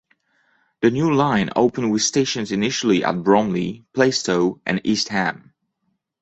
The new line opened with stations initially at Bromley, Plaistow and East Ham.